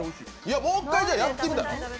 もう一遍やってみたら？